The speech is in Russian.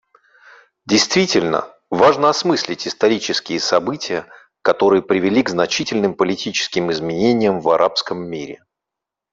Действительно, важно осмыслить исторические события, которые привели к значительным политическим изменениям в арабском мире.